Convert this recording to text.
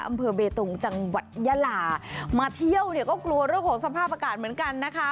อำเภอเบตงจังหวัดยาลามาเที่ยวเนี่ยก็กลัวเรื่องของสภาพอากาศเหมือนกันนะคะ